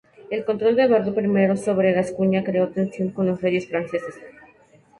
El control de Eduardo I sobre Gascuña creó tensión con los reyes franceses.